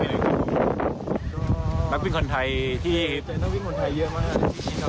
คือเอาวิ่งเป็นอาชีพแล้วอ่ะกลับมาแล้วก็มาเล่นคอนเสิร์ตอย่างนี้เนอะ